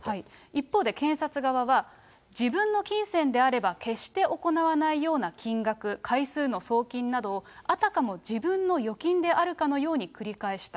一方で検察側は、自分の金銭であれば決して行わないような金額、回数の送金などを、あたかも自分の預金であるかのように繰り返した。